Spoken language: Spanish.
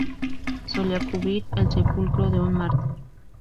Solía cubrir el sepulcro de un mártir.